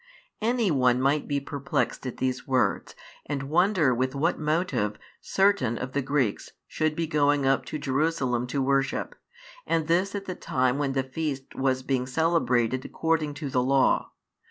Any one might be perplexed at these words and wonder with what motive certain of the Greeks should be going up to Jerusalem to worship, and this at the time when the feast was being celebrated according to the Law.